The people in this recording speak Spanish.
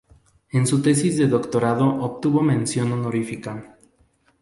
En su tesis de Doctorado obtuvo Mención honorífica.